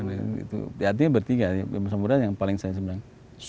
artinya bertiga imam samudra yang paling saya sembang